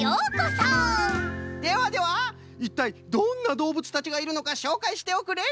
ではではいったいどんなどうぶつたちがいるのかしょうかいしておくれ！